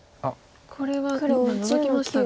これはノゾきましたが。